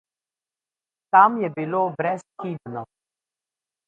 Tam je bilo brezhibno.